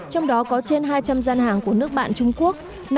trong đó có trên hai trăm linh gian hàng của nước bạn trung quốc